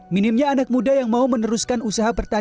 minimnya anak muda yang mau meneruskan usaha pertanian